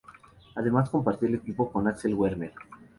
Además compartió el equipo con Axel Werner.